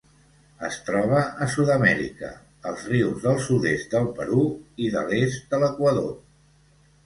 Es troba a Sud-amèrica: els rius del sud-est del Perú i de l'est de l'Equador.